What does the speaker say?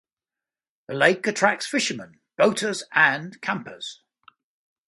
The lake attracts fishermen, boaters and campers.